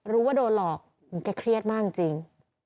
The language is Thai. รู้ว่าโดนหลอกแกเครียดมากจริง